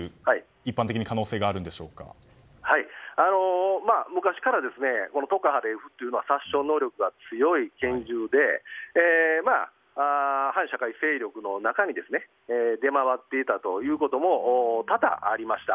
一般的に昔からトカレフというのは殺傷能力が強い拳銃で反社会勢力の中に出回っていたということも多々ありました。